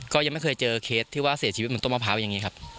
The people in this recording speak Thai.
ก็ยังไม่เคยเจอเคสที่ว่าเสียชีวิตบนต้นมะพร้าวอย่างนี้ครับ